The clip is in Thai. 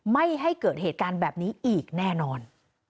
ไม่ให้เกิดเหตุการณ์แบบนี้อีกแน่นอน